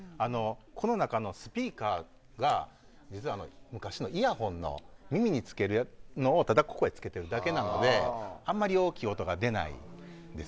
この中のスピーカーが実は、昔のイヤホンの耳につけるのをただ、ここへつけてるだけなのであまり大きい音が出ないんです。